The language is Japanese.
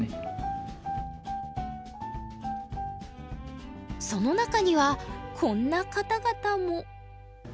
その中にはこんな方々も。